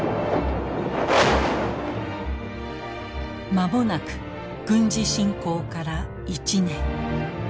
間もなく軍事侵攻から１年。